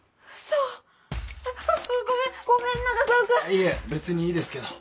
いえ別にいいですけど。